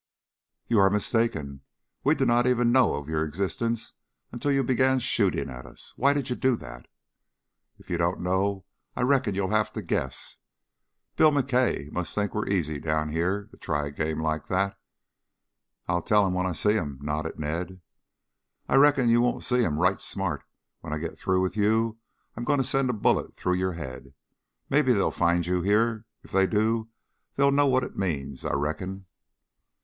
"You are mistaken. We did not even know of your existence until you began shooting at us. Why did you do that?" "If you don't know, I reckon you'll have to guess. Bill McKay must think we're easy down here, to try a game like that." "I'll tell him when I see him," nodded Ned. "I reckon you won't see him right smart. When I git through with you I'm going to send a bullet through your head. Maybe they'll find you here. If they do they'll know what it means, I reckon."